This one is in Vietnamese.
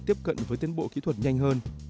tiếp cận với tiến bộ kỹ thuật nhanh hơn